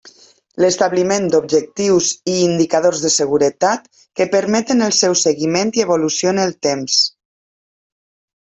L'establiment d'objectius i indicadors de seguretat que permeten el seu seguiment i evolució en el temps.